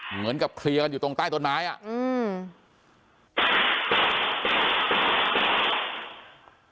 เหมือนกับเคลียร์กันอยู่ตรงใต้ต้นไม้อ่ะอืม